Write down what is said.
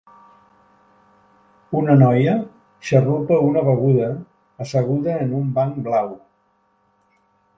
Una noia xarrupa una beguda asseguda en un banc blau.